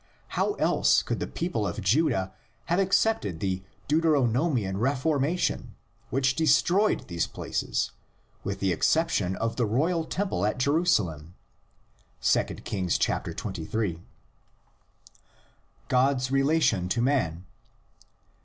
How else could the people of Judah have accepted the "Deuteronomian Reformation," which destroyed these places with the exception of the royal temple at Jerusalem! (2 Kings xxiii.). god's relation to man.